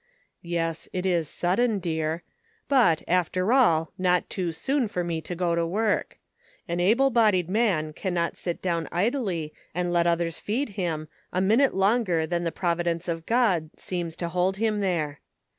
" Yes, it is sudden, dear ; but, after all, not too soon for me to go to work. An able bodied man can not sit down idly and let others feed him a minute longer than the providence of God seems to hold him there.